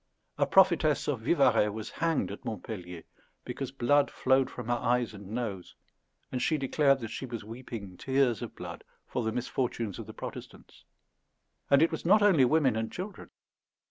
A prophetess of Vivarais was hanged at Montpellier because blood flowed from her eyes and nose, and she declared that she was weeping tears of blood for the misfortunes of the Protestants. And it was not only women and children.